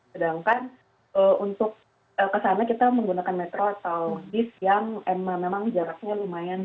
sedangkan untuk kesana kita menggunakan metro atau bis yang memang jaraknya lumayan